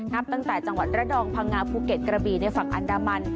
นับตั้งแต่จังหวัดระดองพังงาภูเก็ตกระบีในฝั่งอันดามัน